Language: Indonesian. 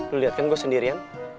lo liat kan gue sendirian